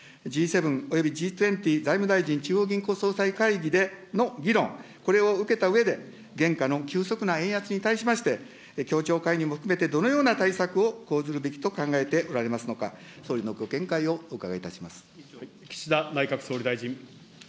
Ｇ７およびＧ２０財務大臣・中央銀行総裁会議での議論、これを受けたうえで、現下の急速な円安に対しまして、協調介入も含めて、どのような対策を講ずるべきと考えておられますのか、総理のご見解をお伺いいたします。